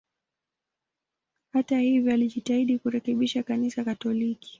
Hata hivyo, alijitahidi kurekebisha Kanisa Katoliki.